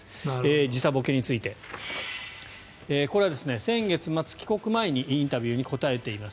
時差ぼけについてこれは先月末帰国前にインタビューに答えています。